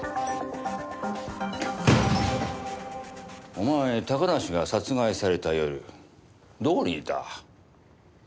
お前高梨が殺害された夜どこにいた？